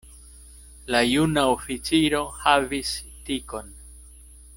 La juna oficiro havis tikon.